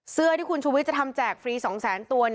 เสื้อที่คุณชูวิทย์จะทำแจกฟรี๒แสนตัว